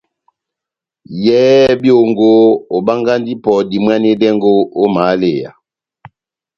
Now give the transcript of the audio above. Yɛhɛ byongo, obangahi ipɔ dimwanedɛngo ó mahaleya.